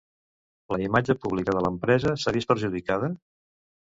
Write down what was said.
La imatge pública de l'empresa s'ha vist perjudicada?